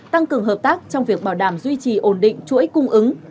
tăng cường hợp tác trong việc bảo đảm duy trì ổn định chuỗi cung ứng